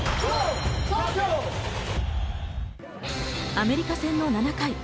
アメリカ戦の７回。